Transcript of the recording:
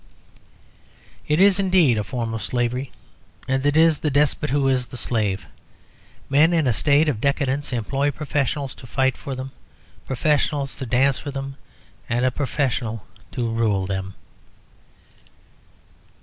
It is indeed a form of slavery, and it is the despot who is the slave. Men in a state of decadence employ professionals to fight for them, professionals to dance for them, and a professional to rule them.